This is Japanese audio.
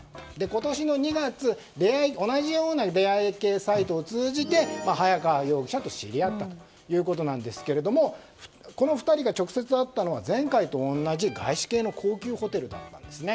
今年２月、同じような出会い系サイトを通じて早川容疑者と知り合ったということなんですがこの２人が直接会ったのは前回と同じ外資系の高級ホテルだったんですね。